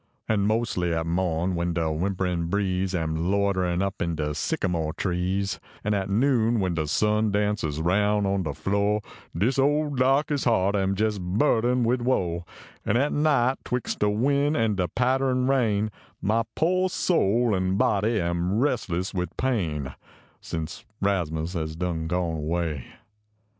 An inos ly at morn, when de whimperin breeze Am loiterin up in de sycamore trees, An at noon when de sun dances roun on de flo Dis ole darkey s heart am jes burdened wid woe, An at night twixtde win an de patterin rain, My po soul an body am restless wid pain Since Rasmus has done gone away.